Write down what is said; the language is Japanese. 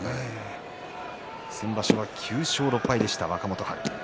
先場所は９勝６敗だった若元春。